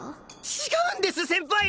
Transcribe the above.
違うんです先輩！